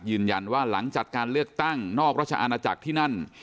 หลังจัดการเลือกตั้งนอกราชอาณาจักรที่นั่น